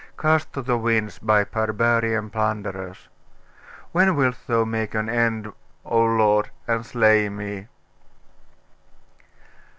cast to the winds by barbarian plunderers.... When wilt thou make an end, O Lord, and slay me?